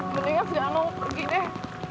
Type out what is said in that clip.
mendingan si jano pergi deh